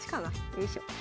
よいしょ。